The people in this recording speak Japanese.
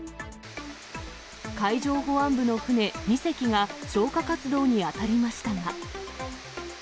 海上保安部の船２隻が、消火活動に当たりましたが。